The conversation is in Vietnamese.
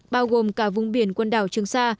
bao gồm cả vùng biển quân đảo trường sa